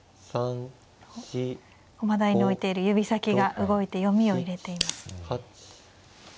駒台に置いている指先が動いて読みを入れています。